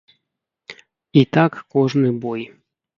І так кожны бой.